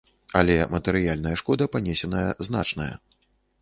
Але матэрыяльная шкода панесеная значная.